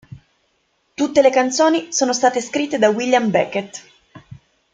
Tutte le canzoni sono state scritte da William Beckett.